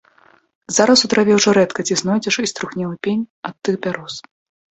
Зараз у траве ўжо рэдка дзе знойдзеш і струхлелы пень ад тых бяроз.